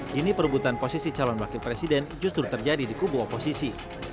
kini perebutan posisi calon wakil presiden justru terjadi di kubu oposisi